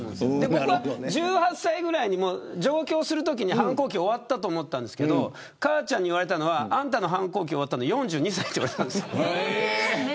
僕は１８歳ぐらいに上京するときに反抗期終わったと思ったんですけど母ちゃんに言われたのはあんたの反抗期終わったのは４２歳って言われたんです。